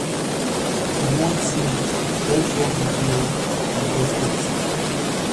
It won two, Best Rock Video and Best Editing.